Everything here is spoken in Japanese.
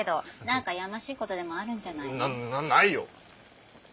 なないよ！